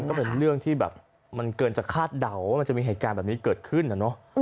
ก็เป็นเรื่องที่แบบมันเกินจะคาดเดาว่ามันจะมีเหตุการณ์แบบนี้เกิดขึ้นนะเนอะ